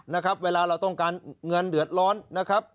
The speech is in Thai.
นะครับเวลาเราต้องการเงินเดือดร้อนนะครับ